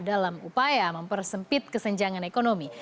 dalam upaya mempersempit kesenjangan ekonomi